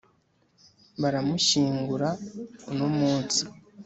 baramushyingura uno munsi